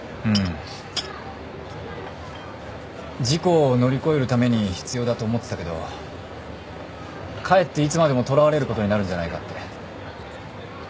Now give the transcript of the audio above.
事故を乗り越えるために必要だと思ってたけどかえっていつまでもとらわれることになるんじゃないかって。